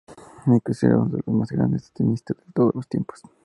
Es considerado uno de los más grandes tenistas de todos los tiempos.